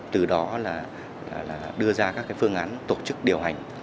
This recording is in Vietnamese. từ đó là đưa ra các phương án tổ chức điều hành